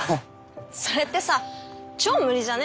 それってさ超無理じゃね？